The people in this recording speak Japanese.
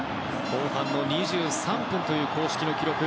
後半２３分という公式記録。